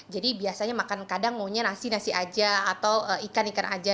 jadi biasanya makan kadang ngunya nasi nasi aja atau ikan ikan aja